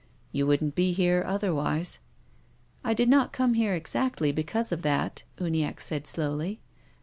" You wouldn't be here otherwise." " I did not come here exactly because of that," Uniacke said slowly.